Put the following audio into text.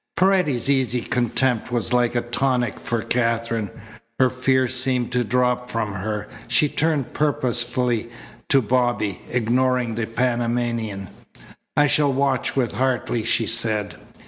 Paredes's easy contempt was like a tonic for Katherine. Her fear seemed to drop from her. She turned purposefully to Bobby, ignoring the Panamanian. "I shall watch with Hartley," she said.